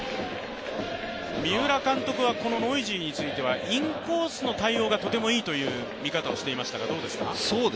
三浦監督はこのノイジーについては、インコースの対応がとてもいいという見方をしていましたがどうですか？